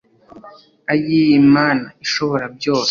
ayii mana ishobora byose